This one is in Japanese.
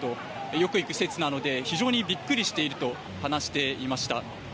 よく行く施設なので非常にビックリしていると話していました。